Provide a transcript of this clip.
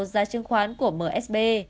giá trị tài khoản